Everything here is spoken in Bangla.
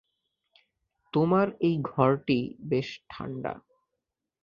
তোমার এই ঘরটি বেশ ঠাণ্ডা।